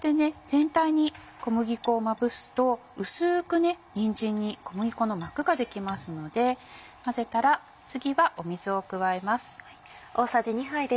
全体に小麦粉をまぶすと薄くにんじんに小麦粉の膜ができますので混ぜたら次は水を加えます。